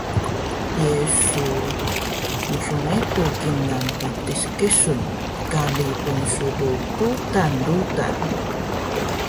Ye su smnepu kingal patis kesun “Kari pnsltudan rudan”?